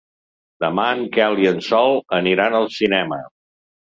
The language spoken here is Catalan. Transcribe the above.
Demà en Quel i en Sol aniran al cinema.